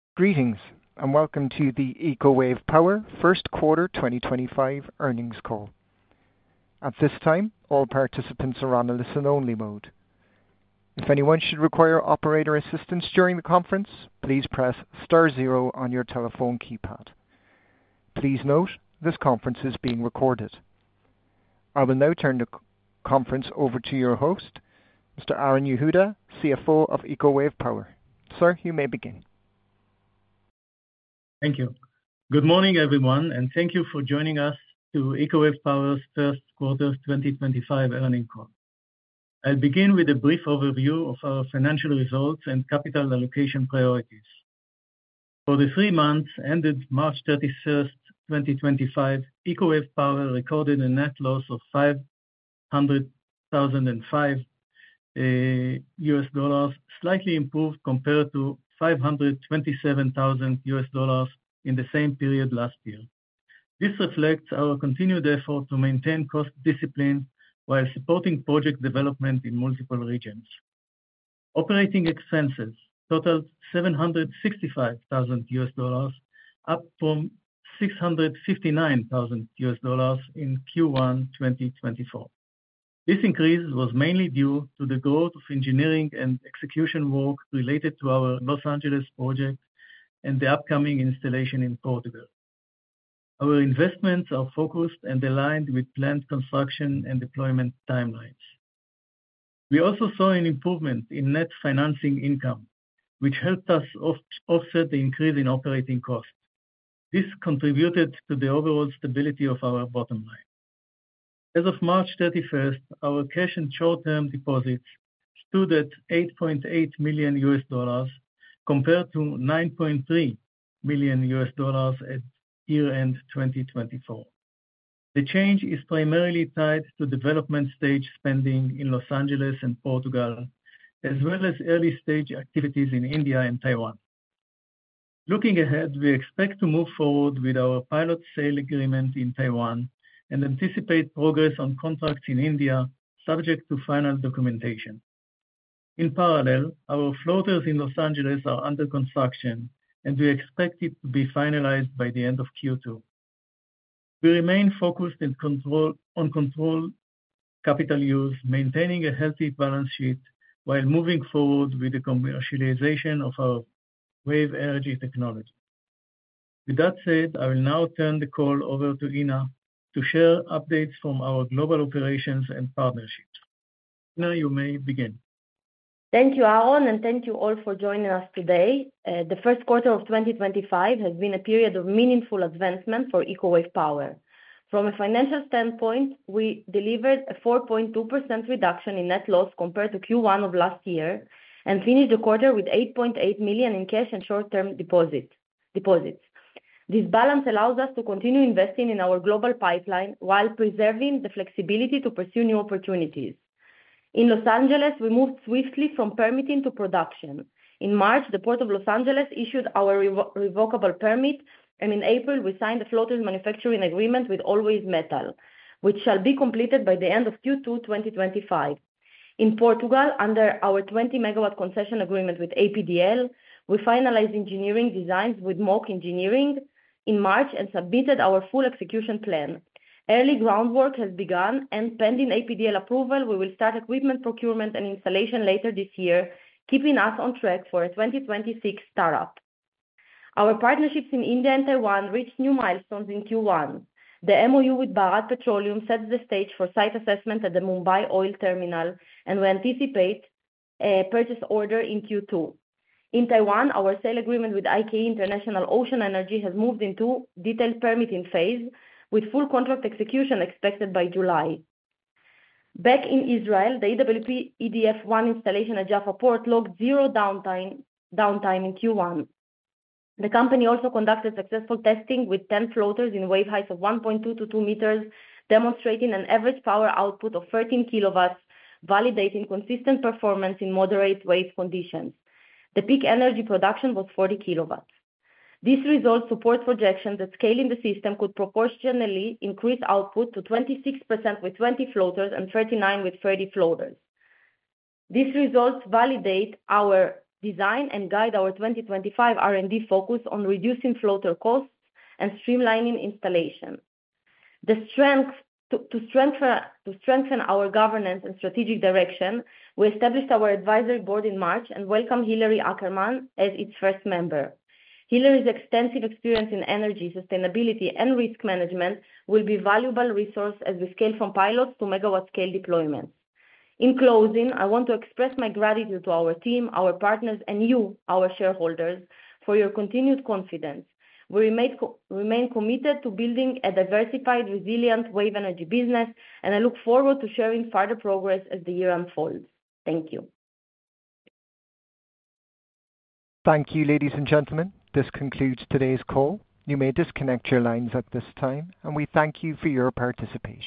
Greetings, and welcome to the Eco Wave Power First Quarter 2025 earnings call. At this time, all participants are on a listen-only mode. If anyone should require operator assistance during the conference, please press star zero on your telephone keypad. Please note this conference is being recorded. I will now turn the conference over to your host, Mr. Aharon Yehuda, CFO of Eco Wave Power. Sir, you may begin. Thank you. Good morning, everyone, and thank you for joining us to Eco Wave Power's First Quarter 2025 earnings call. I'll begin with a brief overview of our financial results and capital allocation priorities. For the three months ended March 31, 2025, Eco Wave Power recorded a net loss of $505,005, slightly improved compared to $527,000 in the same period last year. This reflects our continued effort to maintain cost discipline while supporting project development in multiple regions. Operating expenses totaled $765,000, up from $659,000 in Q1 2024. This increase was mainly due to the growth of engineering and execution work related to our Los Angeles project and the upcoming installation in Portugal. Our investments are focused and aligned with planned construction and deployment timelines. We also saw an improvement in net financing income, which helped us offset the increase in operating costs. This contributed to the overall stability of our bottom line. As of March 31, our cash and short-term deposits stood at $8.8 million compared to $9.3 million at year-end 2024. The change is primarily tied to development-stage spending in Los Angeles and Portugal, as well as early-stage activities in India and Taiwan. Looking ahead, we expect to move forward with our pilot sale agreement in Taiwan and anticipate progress on contracts in India, subject to final documentation. In parallel, our floaters in Los Angeles are under construction, and we expect it to be finalized by the end of Q2. We remain focused on control capital use, maintaining a healthy balance sheet while moving forward with the commercialization of our wave energy technology. With that said, I will now turn the call over to Inna to share updates from our global operations and partnerships. Inna, you may begin. Thank you, Aharon, and thank you all for joining us today. The first quarter of 2025 has been a period of meaningful advancement for Eco Wave Power. From a financial standpoint, we delivered a 4.2% reduction in net loss compared to Q1 of last year and finished the quarter with $8.8 million in cash and short-term deposits. This balance allows us to continue investing in our global pipeline while preserving the flexibility to pursue new opportunities. In Los Angeles, we moved swiftly from permitting to production. In March, the Port of Los Angeles issued our revocable permit, and in April, we signed a floaters manufacturing agreement with Always Metal, which shall be completed by the end of Q2 2025. In Portugal, under our 20 MW concession agreement with APDL, we finalized engineering designs with MOK Engineering in March and submitted our full execution plan. Early groundwork has begun, and pending APDL approval, we will start equipment procurement and installation later this year, keeping us on track for a 2026 start-up. Our partnerships in India and Taiwan reached new milestones in Q1. The MoU with Bharat Petroleum sets the stage for site assessment at the Mumbai Oil Terminal, and we anticipate a purchase order in Q2. In Taiwan, our sale agreement with IKE International Ocean Energy has moved into detailed permitting phase, with full contract execution expected by July. Back in Israel, the EWP-EDF One installation at Jaffa Port logged zero downtime in Q1. The company also conducted successful testing with 10 floaters in wave heights of 1.2 meters-2 meters, demonstrating an average power output of 13 kW, validating consistent performance in moderate wave conditions. The peak energy production was 40 kW. This result supports projections that scaling the system could proportionally increase output to 26% with 20 floaters and 39% with 30 floaters. These results validate our design and guide our 2025 R&D focus on reducing floater costs and streamlining installation. To strengthen our governance and strategic direction, we established our advisory board in March and welcomed Hilary Aharon as its first member. Hilary's extensive experience in energy, sustainability, and risk management will be a valuable resource as we scale from pilots to megawatt-scale deployments. In closing, I want to express my gratitude to our team, our partners, and you, our shareholders, for your continued confidence. We remain committed to building a diversified, resilient wave energy business, and I look forward to sharing further progress as the year unfolds. Thank you. Thank you, ladies and gentlemen. This concludes today's call. You may disconnect your lines at this time, and we thank you for your participation.